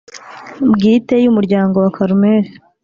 bwite y Umuryango wa Carmel